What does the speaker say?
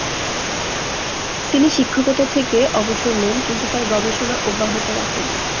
তিনি শিক্ষকতা থেকে অবসর নেন, কিন্তু তার গবেষণা অব্যাহত রাখেন।